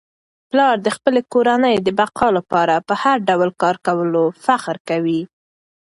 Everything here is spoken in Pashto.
پلار د خپلې کورنی د بقا لپاره په هر ډول کار کولو فخر کوي.